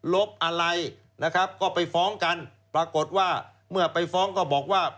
บอะไรนะครับก็ไปฟ้องกันปรากฏว่าเมื่อไปฟ้องก็บอกว่า